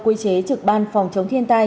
quy chế trực ban phòng chống thiên tai